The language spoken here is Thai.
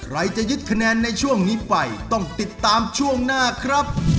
จะยึดคะแนนในช่วงนี้ไปต้องติดตามช่วงหน้าครับ